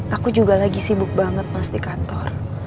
aku juga lagi sibuk banget mas di kantor